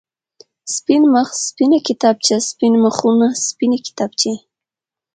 سپين مخ، سپينه کتابچه، سپين مخونه، سپينې کتابچې.